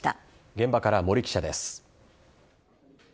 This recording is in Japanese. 現場から森記者です。